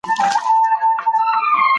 آیا ته غواړې چې زما د ژوند پټ رازونه واورې؟